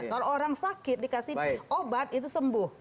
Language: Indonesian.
kalau orang sakit dikasih obat itu sembuh